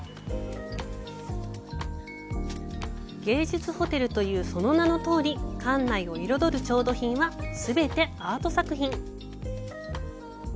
「芸術ホテル」というその名のとおり、館内を彩る調度品は全てアート作品。